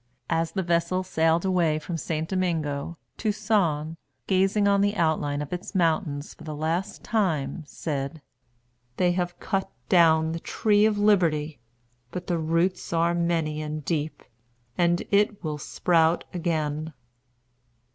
As the vessel sailed away from St. Domingo, Toussaint, gazing on the outline of its mountains for the last time, said, "They have cut down the tree of Liberty; but the roots are many and deep, and it will sprout again."